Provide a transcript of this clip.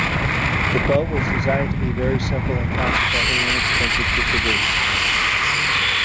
The boat was designed to be very simple, and consequently inexpensive to produce.